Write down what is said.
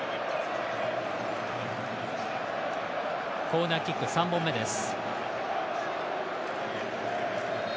コーナーキック３本目です。